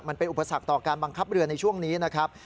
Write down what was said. อุปสรรคต่อการบังคับเรือในช่วงนี้นะครับ